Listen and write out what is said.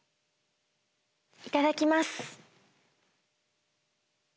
いただきます。